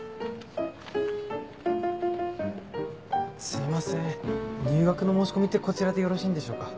すいません入学の申し込みってこちらでよろしいんでしょうか。